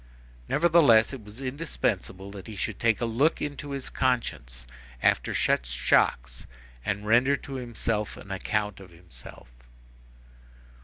Nevertheless, it was indispensable that he should take a look into his conscience, after such shocks, and render to himself an account of himself.